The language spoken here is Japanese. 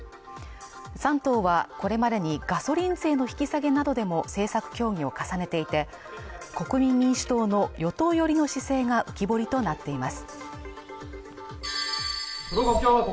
３党はこれまでにガソリン税の引き下げなどでも政策協議を重ねていて、国民民主党の与党寄りの姿勢が浮き彫りとなっています。